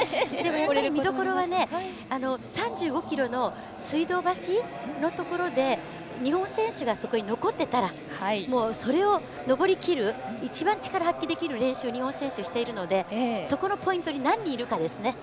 見どころは３５ｋｍの水道橋のところで日本選手がそこに残ってたらそれを上りきる一番力を発揮できる練習を日本選手はしているのでそこのポイントに何人いるかですね。